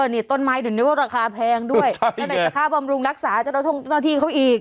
นี่ต้นไม้เดี๋ยวนึกว่าราคาแพงด้วยแล้วไหนจะค่าบำรุงรักษาเจ้าหน้าที่เขาอีก